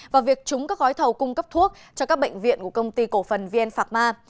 và việc trúng các gói thầu cung cấp thuốc cho các bệnh viện của công ty cổ phần vn phạc ma